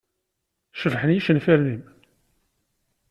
Cebḥen yicenfiren-nnem.